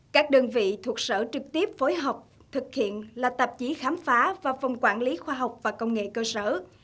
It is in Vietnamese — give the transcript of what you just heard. các đơn vị thuộc sở trực tiếp phối hợp thực hiện là tạp chí khám phá và phòng quản lý khoa học và công nghệ cơ sở